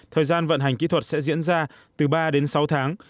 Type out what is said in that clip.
thời gian vận hành kỹ thuật sẽ diễn ra từ ba đến sáu tháng